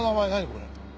これ。